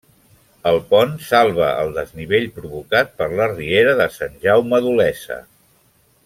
El pont salva el desnivell provocat per la Riera de Sant Jaume d'Olesa.